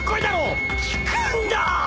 引くんだ！？